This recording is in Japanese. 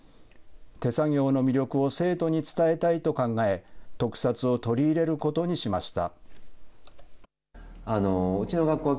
手作業の魅力を生徒に伝えたいと考え、特撮を取り入れることにしました。